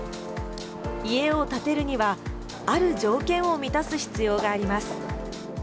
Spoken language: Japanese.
家を建てるには、ある条件を満たす必要があります。